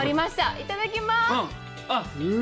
いただきます。